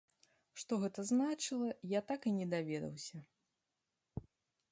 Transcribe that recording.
Што гэта значыла, я так і не даведаўся.